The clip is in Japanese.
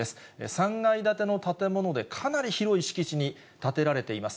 ３階建ての建物で、かなり広い敷地に建てられています。